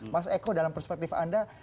mas eko dalam perspektif anda